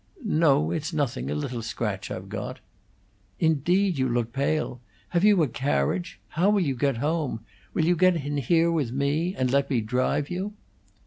"No, it's nothing a little scratch I've got." "Indeed, you look pale. Have you a carriage? How will you get home? Will you get in here with me and let me drive you?"